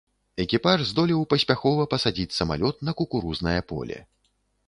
Экіпаж здолеў паспяхова пасадзіць самалёт на кукурузнае поле.